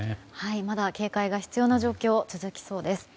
まだ警戒が必要な状況が続きそうです。